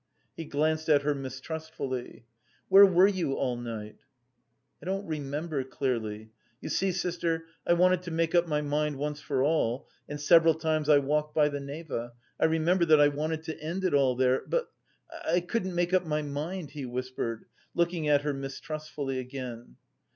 He glanced at her mistrustfully. "Where were you all night?" "I don't remember clearly. You see, sister, I wanted to make up my mind once for all, and several times I walked by the Neva, I remember that I wanted to end it all there, but... I couldn't make up my mind," he whispered, looking at her mistrustfully again.